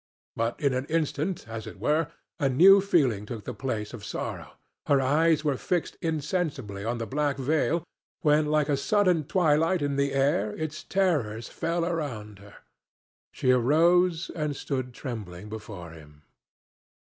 But in an instant, as it were, a new feeling took the place of sorrow: her eyes were fixed insensibly on the black veil, when like a sudden twilight in the air its terrors fell around her. She arose and stood trembling before him.